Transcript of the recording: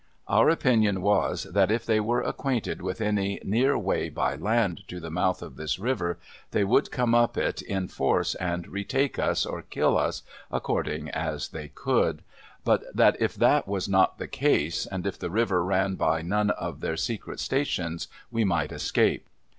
Our opinion was, that if they were acquainted with any near way by land to the mouth of this river, they would come up it in force, and retake us or kill us, according as they could ; but that if that was not the case, and if the river ran by none of their secret stations, we might escape.